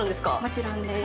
もちろんです。